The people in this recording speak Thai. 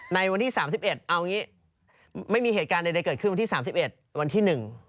ในวันที่๓๑ไม่มีเหตุการณ์ใดเกิดขึ้นวันที่๓๑วันที่๑